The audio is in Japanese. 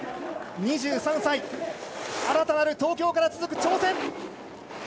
２３歳新たなる東京から続く挑戦！